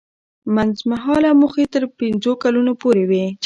منځمهاله موخې تر پنځو کلونو پورې وي.